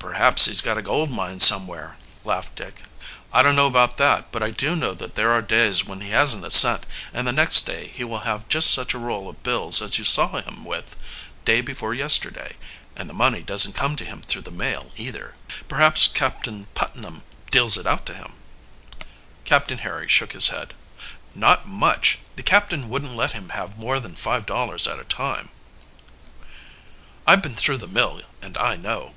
"Perhaps he's got a gold mine somewhere," laughed Dick. "I don't know about that, but I do know that there are days when he hasn't a cent, and the next day he will have just such a roll of bills as you saw him with day before yesterday and the money doesn't come to him through the mail either." "Perhaps Captain Putnam deals it out to him." Captain Harry shook his head. "Not much! The captain wouldn't let him have more than five dollars at a time. I've been through the mill, and I know."